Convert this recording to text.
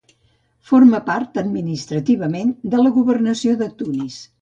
Forma part administrativament de la governació de Tunis.